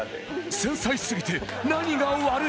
繊細すぎて何が悪い？